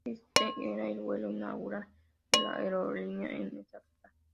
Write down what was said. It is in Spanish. Este era el vuelo inaugural de la aerolínea en esta ruta.